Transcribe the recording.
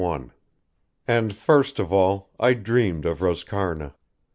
I And, first of all, I dreamed of Roscarna.